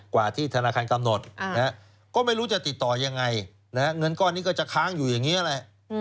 กว่าที่ธนาคารกำหนดก็ไม่รู้จะติดต่อยังไงเงินก้อนนี้ก็จะค้างอยู่อย่างนี้แหละ